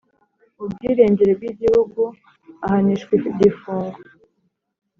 ubwirengere bw igihugu ahanishwa igifungo